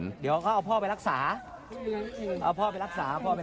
เดี๋ยวเขาเอาพ่อไปรักษาเอาพ่อไปรักษาพ่อไป